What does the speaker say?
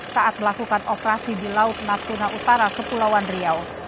saat melakukan operasi di laut natuna utara kepulauan riau